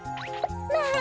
まあ！